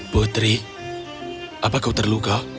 putri apa kau terluka